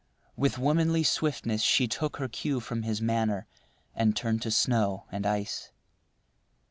With womanly swiftness she took her cue from his manner, and turned to snow and ice.